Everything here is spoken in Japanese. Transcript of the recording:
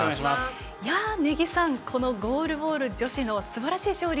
根木さん、ゴールボール女子のすばらしい勝利